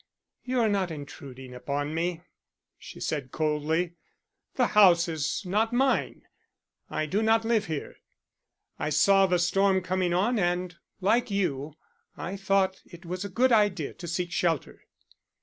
"You are not intruding upon me," she said coldly. "The house is not mine I do not live here. I saw the storm coming on, and, like you, I thought it was a good idea to seek shelter."